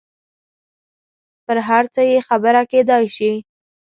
پر هر څه یې خبره کېدای شي.